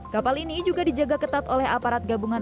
kapal ini juga dijaga ketat oleh aparat gabungan